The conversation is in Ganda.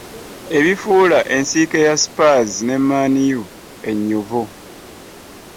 Ebifuula ensiike ya spurs ne Man u enyuvu ,